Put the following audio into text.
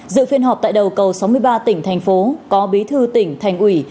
dự phiên họp tại đầu cầu sáu mươi ba tỉnh thành phố có bí thư tỉnh thành ủy